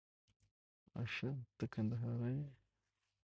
آښه ته کندهاری يې؟